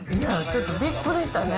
ちょっとびっくりしたね。